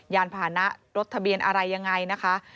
ยานพานะรถทะเบียนอะไรยังไงนะคะ